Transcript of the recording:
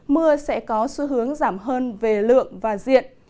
mưa sẽ có xu hướng giảm hơn về lượng và diện